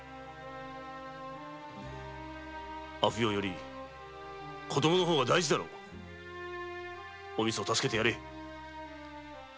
阿芙蓉より子供の方が大事だろうおみつを助けてやれ。